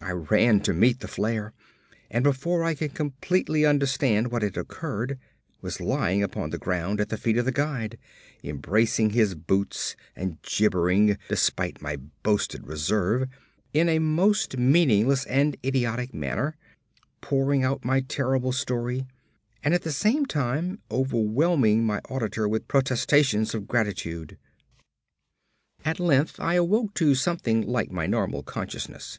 I ran to meet the flare, and before I could completely understand what had occurred, was lying upon the ground at the feet of the guide, embracing his boots and gibbering, despite my boasted reserve, in a most meaningless and idiotic manner, pouring out my terrible story, and at the same time overwhelming my auditor with protestations of gratitude. At length, I awoke to something like my normal consciousness.